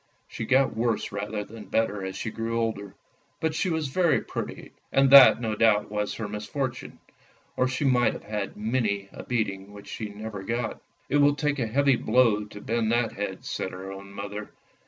" She got worse rather than better as she grew older; but she was very pretty, and that no doubt was her misfortune, or she might have had many a beating which she never got. " It will take a heavy blow to bend that head," said her own mother.